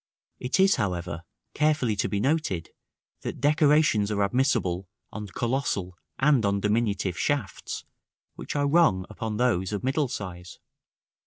§ XIV. It is, however, carefully to be noted, that decorations are admissible on colossal and on diminutive shafts, which are wrong upon those of middle size.